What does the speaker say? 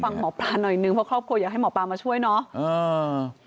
ฟังหมอปลาหน่อยนึงเพราะครอบครัวอยากให้หมอปลามาช่วยเนาะ